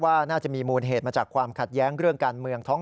ว่าน่าจะมีมูลเหตุมาจากความขัดแย้งเรื่องการเมืองท้อง